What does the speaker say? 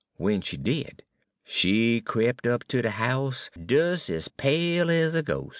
W'en she did, she crep' up ter de house des ez pale ez a ghos'.